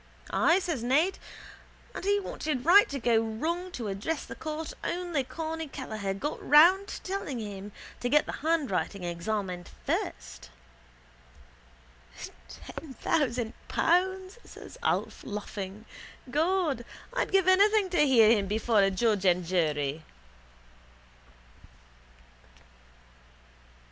—Ay, says Ned. And he wanted right go wrong to address the court only Corny Kelleher got round him telling him to get the handwriting examined first. —Ten thousand pounds, says Alf, laughing. God, I'd give anything to hear him before a judge and jury.